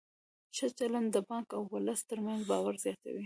ښه چلند د بانک او ولس ترمنځ باور زیاتوي.